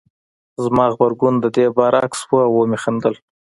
زما غبرګون د دې برعکس و او ومې خندل